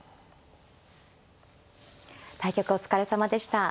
対局お疲れさまでした。